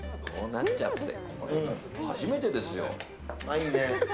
初めてですよ。